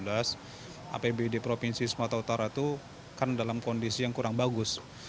apbd provinsi sumatera utara itu kan dalam kondisi yang kurang bagus